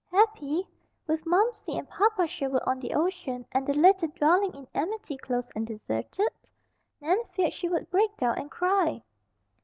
Happy! With Momsey and Papa Sherwood on the ocean, and the "little dwelling in amity" closed and deserted? Nan feared she would break down and cry.